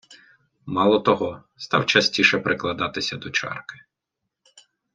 Мало того, став частіше прикладатися до чарки.